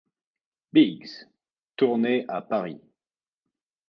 Biggs, tourné à Paris.